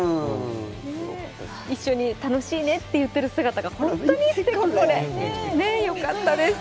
一緒に楽しいねって言ってる姿が、本当にすてきで、良かったです。